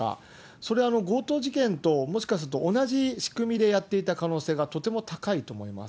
それは強盗事件ともしかすると同じ仕組みでやっていた可能性がとても高いと思います。